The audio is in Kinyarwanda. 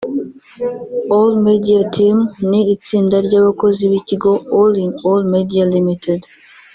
All media team ni itsinda ry'abakozi b’ikigo All in all media ltd